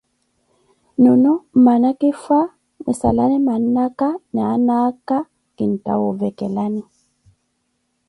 Nuuno mmanakifwa mwinsalane mannakha na annaka, kintta woovekelani.